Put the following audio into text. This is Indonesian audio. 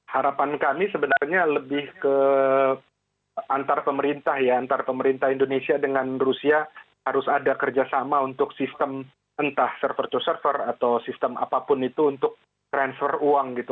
harapan kami sebenarnya lebih ke antar pemerintah ya antar pemerintah indonesia dengan rusia harus ada kerjasama untuk sistem entah server to server atau sistem apapun itu untuk transfer uang gitu